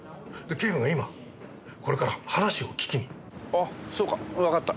あっそうかわかった。